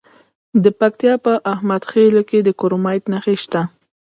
د پکتیا په احمد خیل کې د کرومایټ نښې شته.